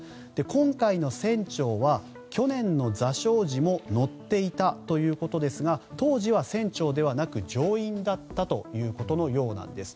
今回の船長は去年の座礁時も乗っていたということですが当時は船長ではなく乗員だったということのようです。